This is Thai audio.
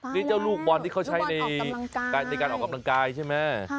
นี่เจ้าลูกบอลที่เขาใช้ในการออกกำลังกายใช่ไหม